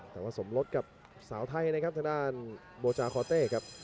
แต่ว่าสมรสกับสาวไทยนะครับทางด้านโบจาคอเต้ครับ